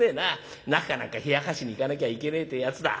なかかなんか冷やかしに行かなきゃいけねえってやつだ。